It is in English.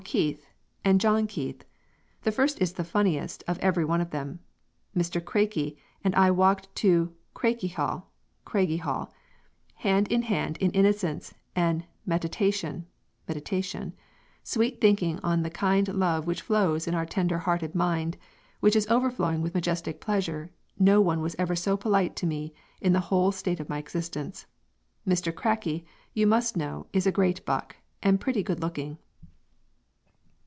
Keith and Jn. Keith the first is the funniest of every one of them. Mr. Crakey and I walked to Crakyhall [Craigiehall] hand in hand in Innocence and matitation [meditation] sweet thinking on the kind love which flows in our tender hearted mind which is overflowing with majestic pleasure no one was ever so polite to me in the hole state of my existence. Mr. Craky you must know is a great Buck and pretty good looking."